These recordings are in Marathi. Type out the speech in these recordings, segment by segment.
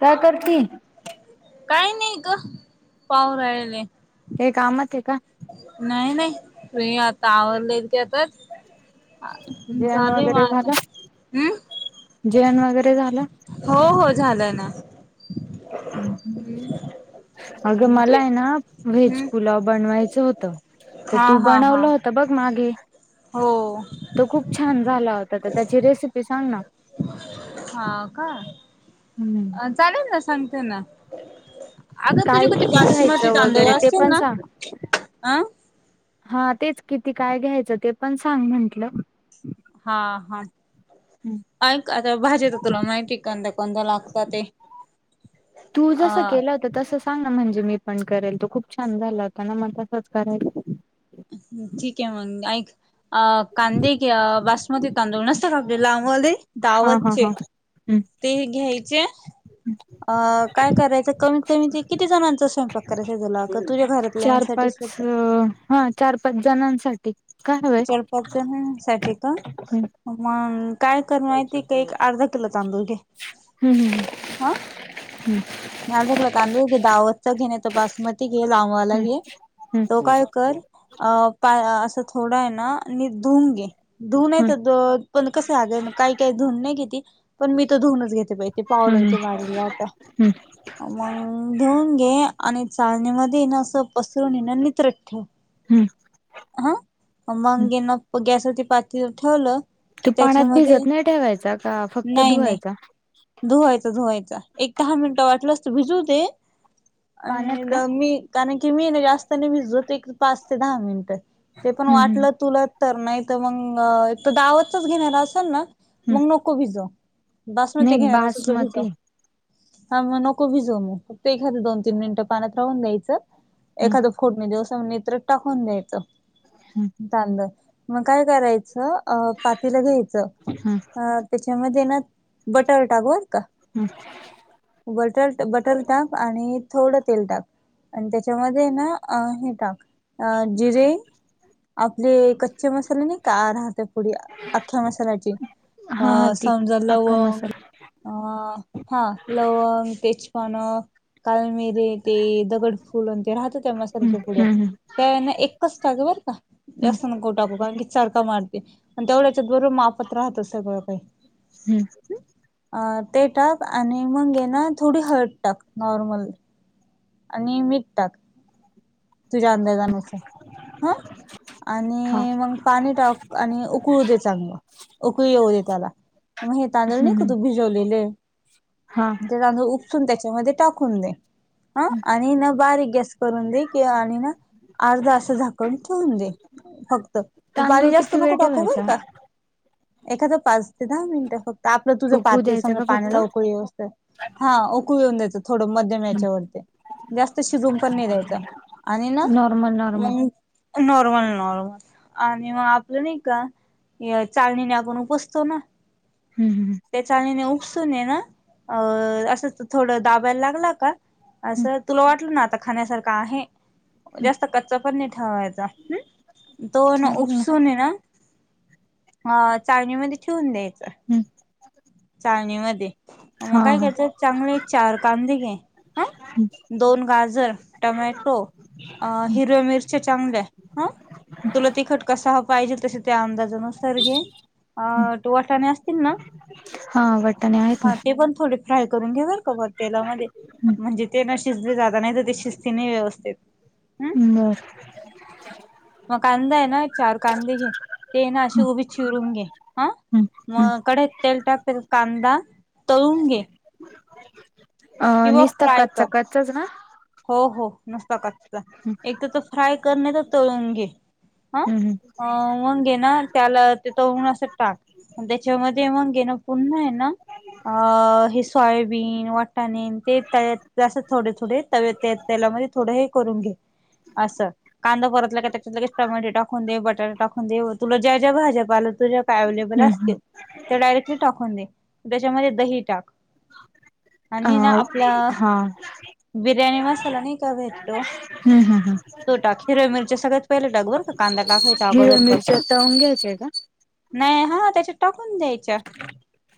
का करती? काय नाही ग पाव रालेले ते कामात आहे का? नाही नाही र आता आवरडलेल की आताच जेवण चालूय वगैरे झालं मझ हम्. जेवण वगैरे झालं हो हो झालंय ना? अग मला म्हणजे आहे ना वेहेज हम्म पुुलाव बनवा होत हा तू हा हा बनवलं होत बघ मागे हो. तो खूप छान झाला होता तर त्याची रेसिपी सांग ना हा का? हम्म. चालेल ना सांगते ना. आगता तुझे काय कधी किती बसमती घ्यायचं तांदव वगैरे ते असे पण ना सांग अं. हा तेच किती काय घ्यायचं ते पण सांग म्हंटलं. हा हा. ऐक आता भाजेेत तुला माहिती कोण कोणत लागतात ते तू जस अ केलं. तर तसं सांग ना म्हणजे मी पण करेल तो खूप छान झाला होता ना म तसंच करायच. ठीक आहे मग अ कांदे कि बासमती तांदूळ नसतात आपल्याला आमले हा हा ावतचे हा ते घ्यायचे. अ काय करायचं कमीत कमी ते किती जणांचा स्वयंपाक करायचा तुला का तुझ्या चार घरातल्यांसाठीच पाच फक्त हा चार पाच जणांसाठी काय हवंय चडपाच साठी का हम्म मग काय कर माती ते एक अर्धा किलो तांदूर घ. हम्म ह हम्. कला कांदा घे दातचा घेणे तर बासमती घे लाव. तो काय कर. पा असं थोडा आहे ना आणि धुन घे धुनय तर पण कसे आग काही काही धुन नाही घेते पण मी तो धुूनच घेते पाहिे पावडर ते तो मारी वा का? मग धुऊून घे आणि चालणी मध्ये ये ना असं पसरून ये ना नित्रत ठेव. हम्. हा मगे ना गॅसवरती पाती ठेवलं. तू की पाण्यात त्याच्यामध्ये भिजत नाही ठेवायचा का फक्त धुवायचा धुवायच धुवायच एक दहा मिनिटं वाटलं असत भिजू दे पाण्यात आणि का मी कारण की मी नाही जास्तने भिजतोत एक पाच ते दहा मिनिट ते पण वाटलं हम्म तुला तर नाही तर मग तर दावतच घेणारला असेल ना मग नको भिजो. बसम नाही त घे राच तुम्हीच बासमती हा मग नको भिजो मग फक्त एखाद दोन तीन मिनिटं पाण्यात राहून द्यायचं एखादं. फोडणी दिवसत्र टाकून द्यायचं तांद मग काय करायचं. अ पातीला घ्यायचं अ त्याच्यामध्ये ना बटर टाकवत का? हम् बटर बटर टाक आणि थोडं तेल टाक. आणि त्याच्यामध्ये ना हे टाक अ जिरे आपले कच्चे मसाले नाही का राहते पुढ अख्ख्या मसाल्याची अ हा हा ती समजला अख्खा व मसाला अ हा लवंग तेच पानं कालमिरी ते गड फुल ते राहत त्या मसाल्याच्या पुड्या हम्म त्याना एकच टात बरं का? असस्ं नको टाकू कारण की सारख मारते आणि तेवढ्याच्यात बरोबर मा आपत राहत सगळं काही हम्म. ते टाक आणि मग ये ना थोडी हळद टाक नॉर्मल आणि मठ टाक. तुझ्या अंदाजानुसार हा. हा आणि मग पाणी टाक आणि उकळू दे चांग उकळी येऊ दे त्याला मग हे तांदळ नाहीक तू भिजवलेले आहे. हा उपून त्याच्यामध्ये टाकून दे ह आणि न बारीक गॅस करून दे. आणि ना अर्धा असं झाकवून ठेऊन दे. फक्त पाणी तांदूळ जास्त किती वेळ नको टाकू बर ठेवायचा का एखादा पाच दहा मिनिटं फक्त आपलं तुझं उकू पाती द्यायचा समज का फक्त पाण्याला उकळी येऊ दे. हा उओकळ येऊन द्यायचं थोडं मध्यम याच्यावरती जास्त शिजून पण नाही द्यायचं ना नॉर्मल नॉर्मल मग नॉर्मल नॉर्मल आणि मग आपलं नाही का. चाळनीने आपण उपासतो ना. हम् हमम त्या चाळणीने उपसून ना अ असं थोडं दाबायला लागला का असं तुला वाटलं ना आता खाण्यासारखं आहे. जास्त कच्चा पण नाही ठेवायचा तो ना चालेल उपसून ना ह चाळणीमध्ये ठेवून द्यायचं. हम्म चाळणीमध्ये मग काय हा करायचं चांगले चार कांदे घे दोन गाजर टमॅटो अ हिरव्या मिरचे चांगल्या आहे हा. तुला तिखट कसा पाहिजे तसे त्या अंदाजान घे अ वाटाणे असतील ना? हा वाटाणे आहेत हा ना ते पण थोडे फ्राय करून घेणार का बा तेलामध्ये म्हणजे ते न शिजले जाता नाही तर शिस्ती नाही व्यवस्थित. हम् बर. मग कांदा आहे ना चार कांदे घे ते ना अशी उभे चिरून घे हा. मग कढईत तेल टाक त्याच्या त कांदा तळून घे. अ किंवा निसता फ्राय कर कच्चा कच्चा ना. हो हो नुसता कच्चा एक तर तर फ्राय कर नाही तर तळून घे. हा हम्म. अ मग हे ना त्याला ते तळून असं टाक. त्याच्यामध्ये मग ना पुन्हा आहे ना अ हे सोयाबीन वा वाटणे आणि ते तळायचे थोडे थोडे त्या तेलामध्ये थोडं हे करून घे असं कांदा परतला की लगेच टमाटे टाकून ते बटाटा टाकून देऊ तुला ज्या ज्या भाज्यापाल्या तुझ्या कडे अवेलेबल हम्म हम्म असतील. त्या डायरेक्टली टाकून दे त्याच्यामध्ये दही टाक आणि ना आपलं अ हा. बिर्याणी मसाला नाही का भेटतो हम्म हम्म हम्म तो टाक हिरव्या मिरच्या सगळ्यात पहिले टाक बर का कांदा टाकायच्या हिरव्या अगोदरपर मिरच्या तळून घ्यायच्या का? नाही हा त्याच्या टाकून दे.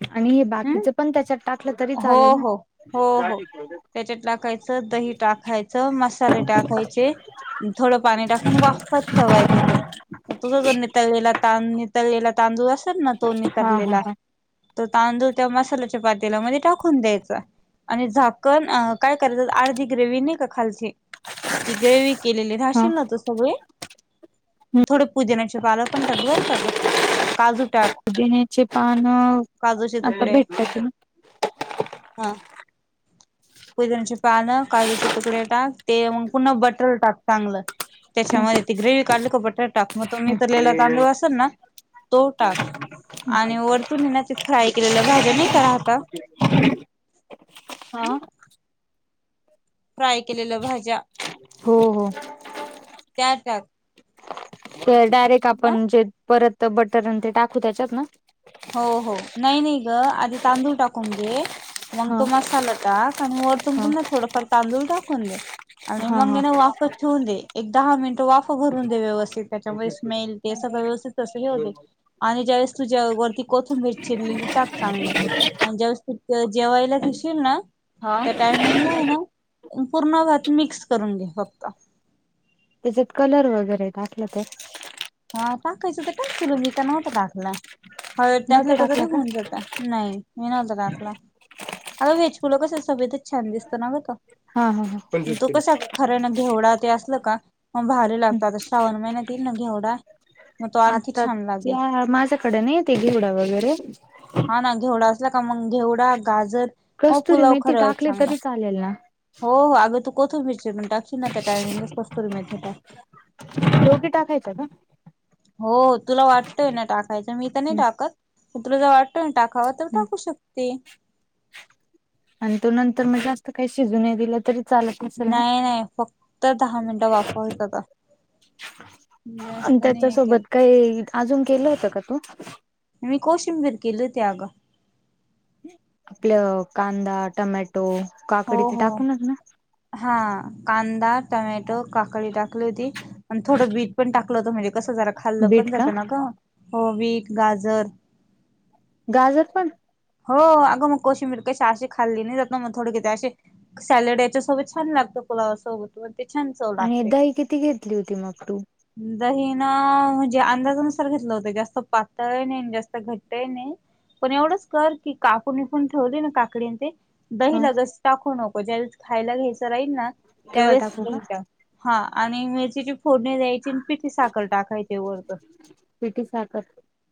आणि हे बाकीच. पण त्याच्यात टाकलं तरी हो चालेल ना. हो हो हो त्याच्यात टाकायचं दही टाकायचं मसाले टाकायचे थोडं पाणी टाकून वाफत ठेवायचं ते तुझ जर न त्या नितलेल्या निथळलेला तांदूळ असेल ना तो हा हा निथळलेला हा त तांदूळ त्या मसाल्याच्या पाती पातील्या मध्ये टाकून द्यायचा आणि झाकण काय करायचं अर्धी ग्रेव्ही नाही का खालची ती ग्रेव्ही केलेली हा राशील ना तू सगळी हम्म थोडे पुदिन्याचे पान पण टाक बरं का ग, काजू टाक. [unintelligible] आन काजूचे आता तुकडे भेट त्याच ना. हा. पुदिन्याचे पान, काजूचे तुकडे टाक ते मग पुन्हा बटर टाक चांगलं. हम्म त्याच्यामध्ये ती ग्रेव्ही काढली का बटाटा टाक म तो निथळलेला तांदूळ असेल ना तो टाक आणि वरतुन ना ते फ्राय केलेल्या भाज्या नाही का राहता हा [inaudible] फ्राय केलेलं भाज्या, हो हो त्या टाक. तर डायरेक्ट हा आपण जे परत बटर ते टाकू त्याच्यात ना हो हो नाही नाही ग आधी तांदूळ टाकून घे मग हा तो मसाला टाक आणि वरतून हा पुन्हा थोडं फार तांदूळ टाकून दे. आणि हा मग हा मी ना वाफ ठेवून दे एक दहा मिनिट वाफ भरून दे व्यवस्थित त्याच्यामध्ये स्मेल ते सगळं व्यवस्थित तसं हे होते आणि ज्यावेळेस तुझ्या कोथंबीर चिरलेली टाक चांगली आणि ज्यावेळेस तू जेवायला घेशील ना हा. त्या टायमिंगला आहे पूर्ण भात मिक्स करून घे फक्त. त्याच्यात कलर वगैरे टाकलं तर हा टाकायचं तर टाक तुला बी मी तर नव्हता टाकलाय हळद टाकले नव्हता का तरी टाकला होऊन जातय. नाही मी नव्हता टाकला. आग वेज पुलाव कस सफेदच छान दिसतं ना ग बर का. हा, हा, ह तो कसा खरा ना घेवडा ते असल का मग भारी हम्म लागत आता श्रावण महिन्या येईल ना घेवढा आता त्या माझ्याकडे नाही ते घिवडा वगैरे हा ना घेवडा असला का मग घेवडा गाजर म कस्तुरी पुलाव मेथी खरा टाकली चांगला. तरी चालेल ना? हो हो अगं तू कोथिंबीर चिरून टाकशील ना त्या टायमिंगला कस्तुरी मेथी टाक. टोपी टाकायच का. हो तुला वाटतंय ना टाकायचं मी तर नाही हम्म टाकत तुला ज वाटतोय ना टाक. कवा तर हम्म टाकू शकती. आणि तो नंतर मणजे जात काही शिजून दिलं तर. नाही नाही फक्त दहा मिनिटं वाफवायचंता. आणि त्याच्या हे केलं. सोबत काही अजून केलं होतं का तू. मी कोशिंबीर केली होती अगं. आपलं कांदा टमॅटो काकडी ते टाकूनच ना. हा कांदा टमॅटो काकळी टाकली होती. आणि थोडं बीट पण टाकलं होत म्हणजे कसं जरा खाल्लं पण बीट का? जातं ना ग हो बीट गाजर. गाजर पण. हो अगं मग कोशी मिर कश असे खाल्ली नाही जात ना मग थोडे कि असे. सॅलड याच्या सोबत छान लागतं पुलावा सोबत. ते छान चव. आणि लागते. दही किती घेतली होती मग तू. दही ना म्हणजे अंदाजानुसार घेतलं होतं जास्त पातळ नाही जास्त घट्ट नाही. पण एवढंच कर की कापून विपून ठेवले ना काकडी ते दही हा लगेच. टाकू नको ज्यावेळेस खायला घ्यायचं राहील ना तेव्हा त्यावेळेस टाकू का? टाक. हा आणि मिरचीची फोड दयची. पीटी साखर टाकाय वरन पिठी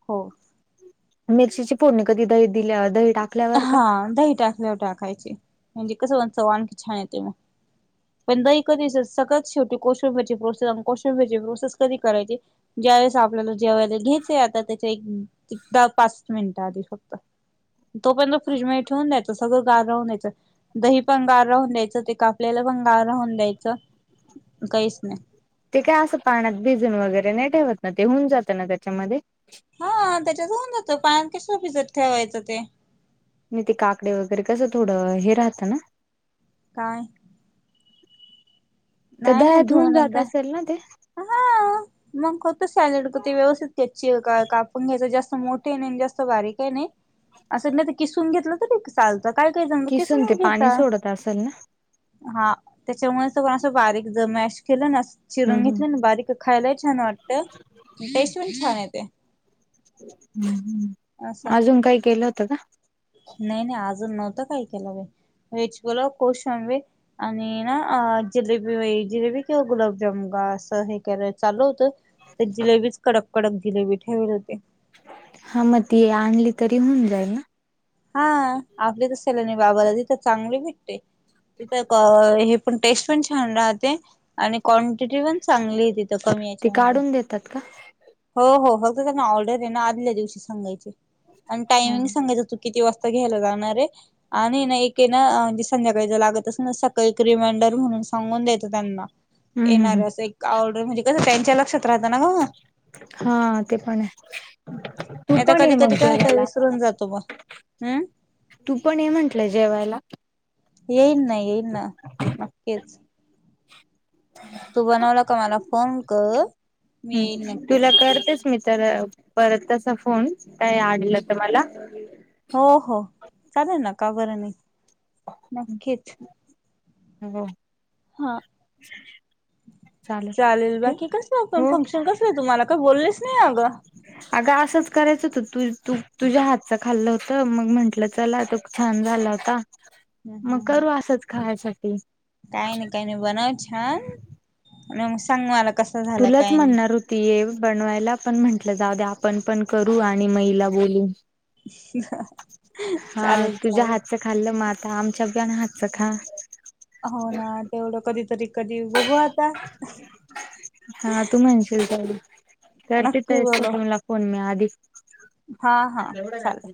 हो. म मिरषशीची पूर्णिकाीदा इदी लि. हा दही टाकल्यावर टाकायची म्हणजे कसं म्हणत आणखी छान येते मग. पण दही कधीस सगळत शेटी कोशुंब्याची प्रोसेस कोशुंब्याची प्रोसेस कधी करायची. ज्यावेेळेस आपल्याला जेवळेला घ्याय आता त्याच्या एक दहा पाच मिनिट आधी फक्त. तो पर्यंत फ्रीज म ठेवून द्यायं सगळं गार राहून दयचं. दही पंगार राहून द्यायचं ते कापलेला पंगार राहून द्यायचं काहीच नाही. ते काय असं पाण्यात भिजून वगैरे नाही ठेवत ना ते होऊन जातं ना त्याच्यामध्ये. हा त्याच्यात होऊनतं पाण्यात कसो भिजत ठेवायचं ते. नाही ते काकडे वगैरे कसं थोडं हे राहतं ना. काय. तर नाही नाही दह्यात होऊन धुवून जात एकदा असेल ना ते. हा मग होत सॅलड क ते व्यवस्थित घ्याची का कापून घ्यायचं जास्त मोठे आहे नाही जास्त बारीक आहे नाही. असं नाही तर किसून घेतलं तर चालतं काय काय झाम किसून ते किसूनच पाणी घेता. सोडत असेल ना हा त्याच्यामुळे तर पण असं बारीक ज मॅश केलं ना चिरून हम्म घेतलं. बारीक खायला छान वाटत टेस्ट पण छान येते. असं अजून काही केलं होत का. नाही नाही अजून नव्हतं काय केलं व वेच बोल कोशिंबीर. आणि ना अ जिलेबी जिलेबी किव गुलाबजाम घास. हेय चालू होत तर जिलेबीच कडक कडक जिलेबी ठेवल होते. हा मग त आणली तरी होऊन जाई ना. हा आपली त सल नाही बाबालादी तर चांगली भेटते. तिथ हे पण टेस्ट पण छान राहते आणि क्वांटिटी पण चांगली आहे तिथे. ते काढून देतात का. हो हो फक्त त्यां ना ऑर्डर आहे ना आदल्या दिवशी सांगायची आणि हम्म टाइमिंग सांगायचं तु किती वाजता घ्यायला जाणार आहे. आणि ना एके ना म्हणजे संध्याकाळी ज लागत अस ना सकाळी एक रिमाइंडर म्हणून सांगून द्यायेतं त्यांना. हम्म येणार हम्म अस एक आऑर्डर म्हणजे कसं त्यांच्या लक्षात राहताना ग. हा ते पण आहे. तू पण ये कधी मग कधी काय होत जेवायला विसरून जातो म हम. तू पण हे म्हंटलंय जेवायला. येईन ना येईन ना नक्कीच. तू बनवला का मला फोन कर मी हम्म येईन तुला नक्कीच करतेच मी तर परतसा फोन काय आणलं तर मला हो हो चालेल न का बरं नाही नक्कीच हो हा चालेल बाकी कसलं पण हो फंक्शन कसलं तुम्हाला काय बोललेच नाही अगं. अग असंच करायचं होतं तू तू तुझ्या हातच खाल्लं होत मग म्हंटलं चला छान झाला होता मग करू असंच खायसाठी काही नाही काही नाही बनव छान आणि मग सांग मला कस. तुलाच म्हणणार होत. त बनवायला पण म्हंटलं जाऊ दे आपण पण करू आणि महिला बोलू. हा चालेल तुझ्या चालेल हातच खाल्लं मग आता आमच्या बिन हातचं खा. हो ना तेवढं कधीतरी कधी बघू. आता हा तू म्हणशील करते नक्की तण बोलू पणम आधीवढ हा हा चालेल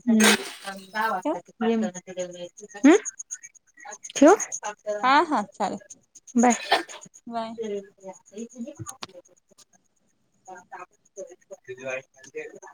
ठेवू हम ठेवु हा हा चालेल बाय बाय [inaudible] तु